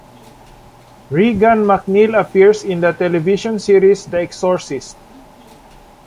Regan McNeil appears in the television series "The Exorcist".